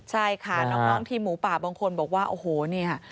ใช่ค่ะน้องทีมหมูป่าบางคนบอกว่าโอ้โหเนี่ย